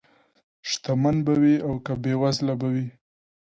شتمن به وي او که بېوزله به وي.